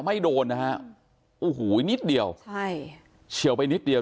ไม่โดนนะฮะโอ้โหนิดเดียวใช่เฉียวไปนิดเดียว